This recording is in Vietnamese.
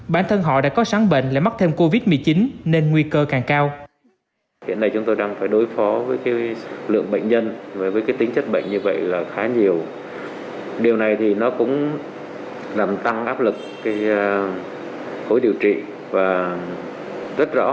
bản thân họ đã có sáng bệnh lại mắc thêm covid một mươi chín nên nguy cơ càng cao